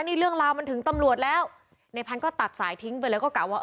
นี่เรื่องราวมันถึงตำรวจแล้วในพันธุ์ก็ตัดสายทิ้งไปแล้วก็กะว่า